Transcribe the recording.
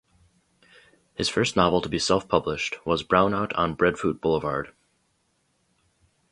His first novel to be self-published was "Brownout on Breadfruit Boulevard".